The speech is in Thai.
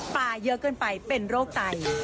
ป้าเยอะเกินไปเป็นโรคใต้